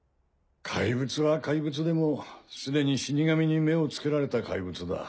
怪物は怪物でもすでに死神に目をつけられた怪物だ。